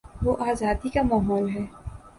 وہ آزادی کا ماحول ہے۔